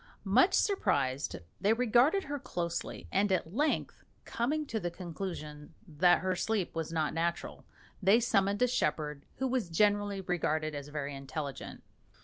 Much surprised, they regarded her closely, and at length coming to the conclusion that her sleep was not natural, they summoned a shepherd who was generally regarded as very intelligent.